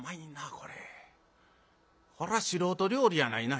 こら素人料理やないな。